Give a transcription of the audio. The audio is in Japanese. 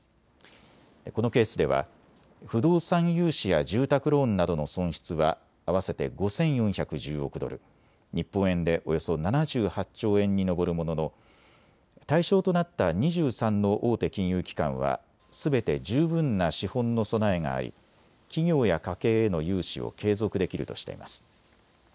このケースでは不動産融資や住宅ローンなどの損失は合わせて５４１０億ドル、日本円でおよそ７８兆円に上るものの対象となった２３の大手金融機関はすべて十分な資本の備えがあり企業や家計への融資を継続できるとしています。